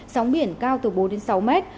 sóng biển cao từ bốn đến sáu mét